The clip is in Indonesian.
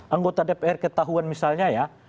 anggota dpr ketahuan misalnya ya